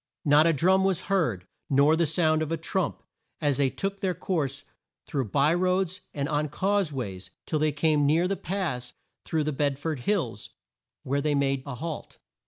Not a drum was heard, nor the sound of a trump as they took their course through by roads and on cause ways till they came near the pass through the Bed ford Hills where they made a halt.